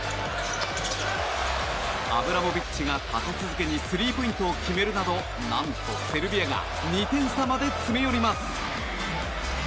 アブラモビッチが立て続けにスリーポイントを決めるなど何と、セルビアが２点差まで詰め寄ります。